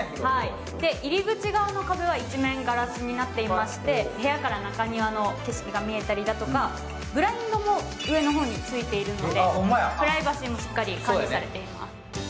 入り口側の壁は一面ガラスになっていまして、部屋から中庭の景色が見えたりだとか、ブラインドも上の方についているのでプライバシーもしっかり管理されています。